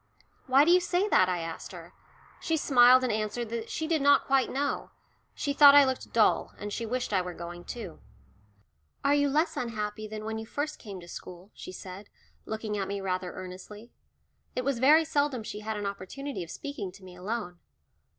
"Why do you say that?" I asked her. She smiled and answered that she did not quite know; she thought I looked dull, and she wished I were going too. "Are you less unhappy than when you first came to school?" she said, looking at me rather earnestly. It was very seldom she had an opportunity of speaking to me alone.